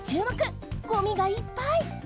ごみがいっぱい！